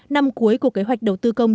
năm cuối của kế hoạch đầu tư công